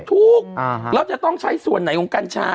ถูกเราจะต้องใช้ส่วนไหนของกัญชา